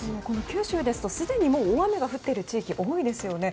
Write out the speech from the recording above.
九州ですとすでに大雨が降っている地域が多いですよね。